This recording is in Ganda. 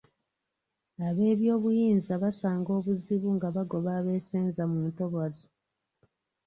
Ab'ebyobuyinza basanga obuzibu nga bagoba abeesenza mu ntobazi.